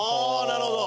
なるほど。